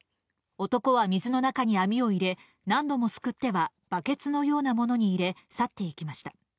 男は水の中に網を入れ、何度もすくってはバケツのようなものに入れ、去っていきました。